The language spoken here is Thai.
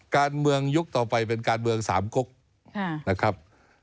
การเมืองยุคต่อไปเป็นการเมืองสามกกนะครับ